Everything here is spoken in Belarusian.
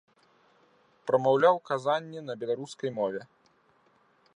Прамаўляў казанні на беларускай мове.